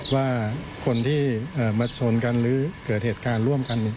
ว่าคนที่มาชนกันหรือเกิดเหตุการณ์ร่วมกัน